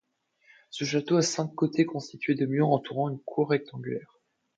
Ce château a cinq côtés constitués de murs entourant une cour rectangulaire.